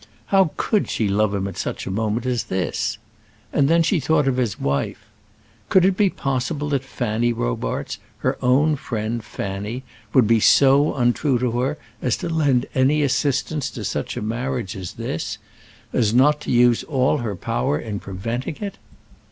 How could she love him at such a moment as this? And then she thought of his wife. Could it be possible that Fanny Robarts, her own friend Fanny, would be so untrue to her as to lend any assistance to such a marriage as this; as not to use all her power in preventing it?